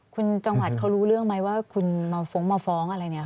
คุณจังหวัดเขารู้เรื่องไหมว่าคุณมาฟ้องมาฟ้องอะไรเนี่ย